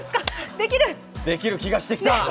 できる気がしてきた。